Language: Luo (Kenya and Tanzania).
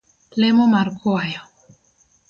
Lemo mar kwayo